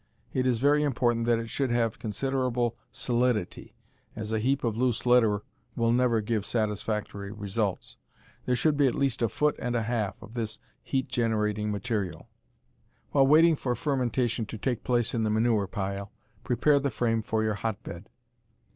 It is very important that it should have considerable solidity, as a heap of loose litter will never give satisfactory results. There should be at least a foot and a half of this heat generating material. While waiting for fermentation to take place in the manure pile, prepare the frame for your hotbed.